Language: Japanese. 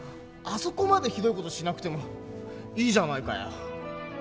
そこまでひどい事しなくてもいいじゃないかよ。